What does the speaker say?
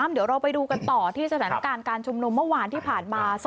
เดี๋ยวเราไปดูกันต่อที่สถานการณ์การชุมนุมเมื่อวานที่ผ่านมา